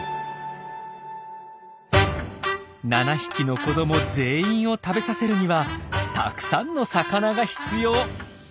７匹の子ども全員を食べさせるにはたくさんの魚が必要。